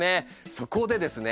そこでですね